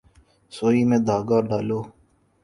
سوئی میں دھاگہ ڈالو۔